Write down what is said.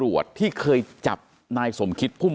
เป็นวันที่๑๕ธนวาคมแต่คุณผู้ชมค่ะกลายเป็นวันที่๑๕ธนวาคม